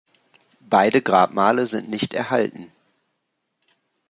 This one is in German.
Beide Grabmale sind nicht erhalten.